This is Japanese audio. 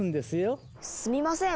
すみません